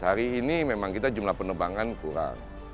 hari ini memang kita jumlah penerbangan kurang